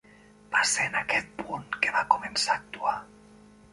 Va ser en aquest punt que va començar a actuar.